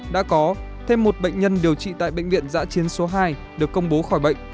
đã có thêm một bệnh nhân điều trị tại bệnh viện giã chiến số hai được công bố khỏi bệnh